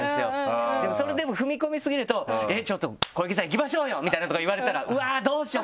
でもそれでも踏み込みすぎると「えっちょっと小池さん行きましょうよ！」みたいなのとか言われたらうわぁどうしよう！